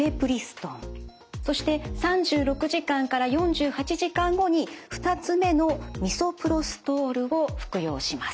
そして３６時間から４８時間後に２つ目のミソプロストールを服用します。